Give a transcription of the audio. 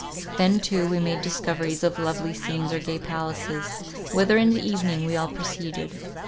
Then too we made discoveries of lovely scenes or gay palaces, whither in the evening we all proceeded.